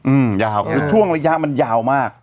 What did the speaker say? อืมยาวคือช่วงระยะมันยาวมาก